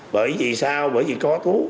bởi vì sao bởi vì có thuốc